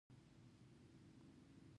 بیا داسې راځې خمچۍ ګوتې ته يې لاس ونیو.